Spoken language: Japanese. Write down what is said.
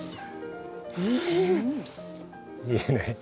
いいね。